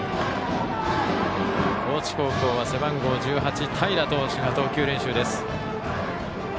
高知高校は背番号１８の平投手が投球練習です。